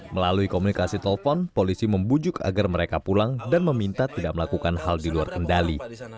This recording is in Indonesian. melalui komunikasi telepon polisi membujuk agar mereka pulang dan meminta tidak melakukan hal di luar kendali